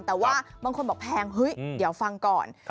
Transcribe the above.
แต่ว่าบางคนบอกแพงเฮ้ยเดี๋ยวฟังก่อน